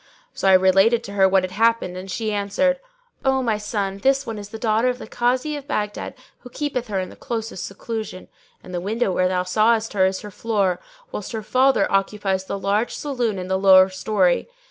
"[FN#604] So I related to her what had happened and she answered, "O my son, this one is the daughter of the Kazi of Baghdad who keepeth her in the closest seclusion; and the window where thou sawest her is her floor, whilst her father occupies the large saloon in the lower story.